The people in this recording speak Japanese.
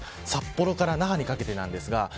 札幌から那覇にかけてです。